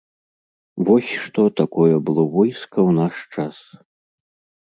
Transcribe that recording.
Вось што такое было войска ў наш час!